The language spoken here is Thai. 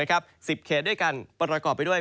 ๑๐เขตด้วยกันประกอบไปด้วย